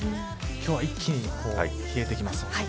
今日は一気に冷えてきます。